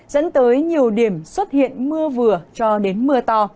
dẫn tới nhiều điểm xuất hiện mưa vừa cho đến mưa to